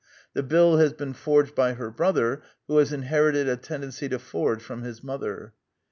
The bill has been forged by her brother, who has inherited a tendency to forge from his mother.